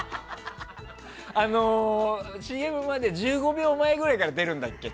ＣＭまで１５秒前ぐらいから出るんだっけ？